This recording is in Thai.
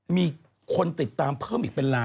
มีคนติดตามเพิ่มอีกเป็นล้าน